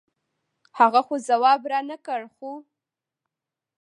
هغه خو جواب رانۀ کړۀ خو